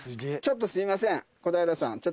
ちょっとすいません小平さん。